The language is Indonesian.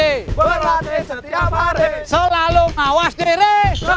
selalu mawas diri